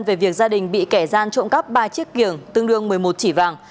về việc gia đình bị kẻ gian trộm cắp ba chiếc kiềng tương đương một mươi một chỉ vàng